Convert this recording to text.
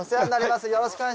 よろしくお願いします。